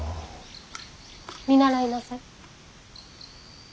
見習いなさい。